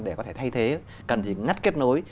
để có thể thay thế cần ngắt kết nối